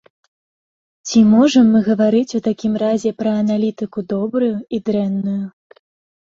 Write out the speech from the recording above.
Ці можам мы гаварыць у такім разе пра аналітыку добрую і дрэнную?